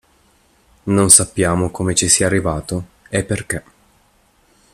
Non sappiamo come ci sia arrivato e perché.